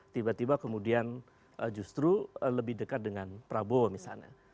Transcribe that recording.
tiba tiba kemudian justru lebih dekat dengan prabowo misalnya